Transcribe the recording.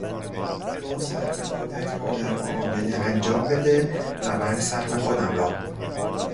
تو سهم خودت را در معامله انجام بده و من سهم خودم را.